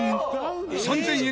３０００円